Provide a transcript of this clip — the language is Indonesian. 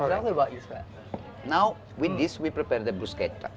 sekarang dengan ini kita akan membuat bruschetta